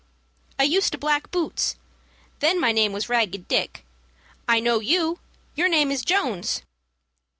"I used to black boots. Then my name was Ragged Dick. I know you. Your name is Jones."